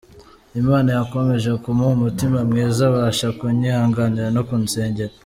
Imana yakomeje kumuha umutima mwiza abasha kunyihanganira no kunsengera.